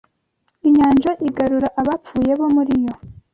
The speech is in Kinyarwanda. Inyanja igarura abapfuye bo muri yo